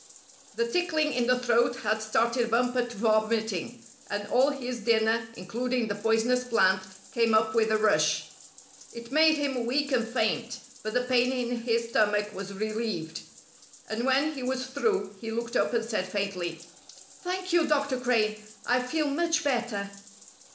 The tickling in the throat had started Bumper to vomiting, and all his dinner, including the poisonous plant, came up with a rush. It made him weak and faint, but the pain in his stomach was relieved, and when he was through he looked up and said faintly: "Thank you, Dr. Crane, I feel much better."